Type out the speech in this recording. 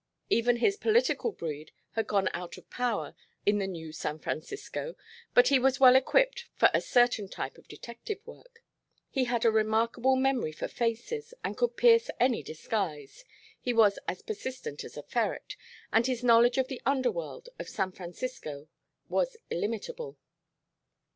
Even his political breed had gone out of power in the new San Francisco, but he was well equipped for a certain type of detective work. He had a remarkable memory for faces and could pierce any disguise, he was as persistent as a ferret, and his knowledge of the underworld of San Francisco was illimitable.